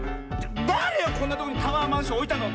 だれよこんなとこにタワーマンションおいたの！